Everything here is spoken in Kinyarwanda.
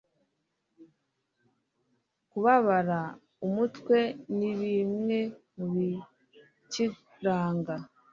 kubabara umutwe nibimwe mubikiranga